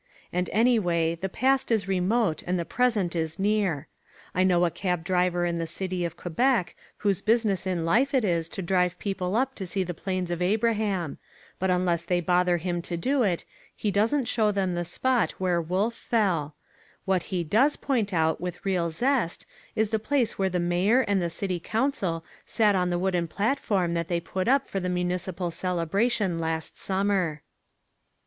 And anyway the past is remote and the present is near. I know a cab driver in the city of Quebec whose business in life it is to drive people up to see the Plains of Abraham, but unless they bother him to do it, he doesn't show them the spot where Wolfe fell: what he does point out with real zest is the place where the Mayor and the City Council sat on the wooden platform that they put up for the municipal celebration last summer.